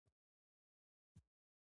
او غرونه په واوره ښکلې دي.